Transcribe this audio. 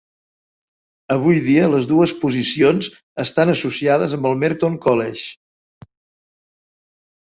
Avui dia les dues posicions estan associades amb el Merton College.